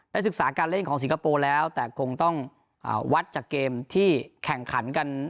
ศึกษาการเล่นของสิงคโปร์แล้วแต่คงต้องวัดจากเกมที่แข่งขันกัน